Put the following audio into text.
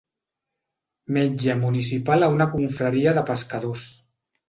Metge municipal a una confraria de pescadors.